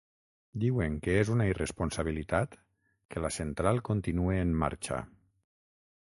Diuen que és una irresponsabilitat que la central continue en marxa.